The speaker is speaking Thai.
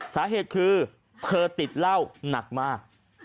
สาเหตุคือเธอติดเหล้าหนักมาก